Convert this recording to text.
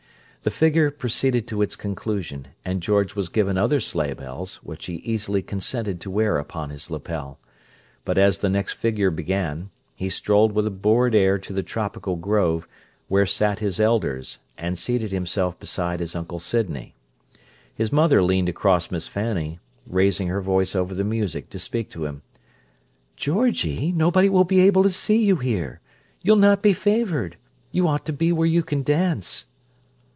The figure proceeded to its conclusion, and George was given other sleighbells, which he easily consented to wear upon his lapel; but, as the next figure began, he strolled with a bored air to the tropical grove, where sat his elders, and seated himself beside his Uncle Sydney. His mother leaned across Miss Fanny, raising her voice over the music to speak to him. "Georgie, nobody will be able to see you here. You'll not be favoured. You ought to be where you can dance."